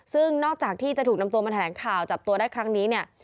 ซึ่งนอกจากที่จะถูกนำตัวมาแถลงข่าวจับตัวได้ครั้งนี้เนี่ย